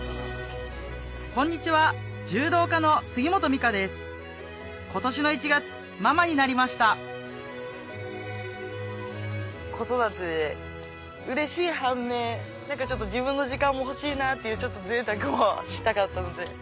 こんにちは柔道家の杉本美香です今年の１月ママになりました子育てで嬉しい半面ちょっと自分の時間も欲しいなっていうちょっと贅沢もしたかったので。